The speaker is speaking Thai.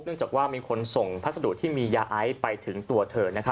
เนื่องจากว่ามีคนส่งพัสดุที่มียะไอ่ไปถึงตัวเถิด